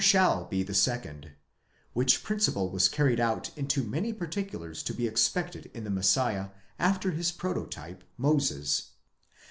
$0 shall be the second; which principle was carried out into many particulars to be expected in the Messiah after his prototype Moses.?